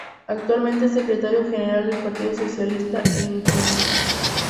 Actualmente es Secretario General del Partido Socialista en Ingenio.